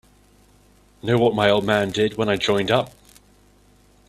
Know what my old man did when I joined up?